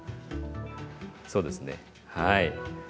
そうですねはい。